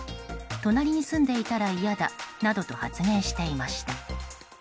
隣に住んでいたら嫌だなどと発言していました。